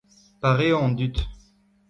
Pareañ an dud.